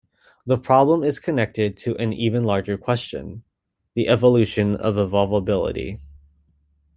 The problem is connected to an even larger question, the evolution of evolvability.